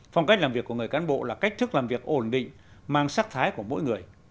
phong cách làm việc của người cán bộ là cách thức làm việc ổn định mang sắc thái của mỗi người